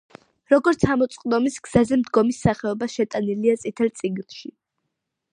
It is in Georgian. როგორც ამოწყდომის გზაზე მდგომი სახეობა, შეტანილია „წითელ წიგნში“.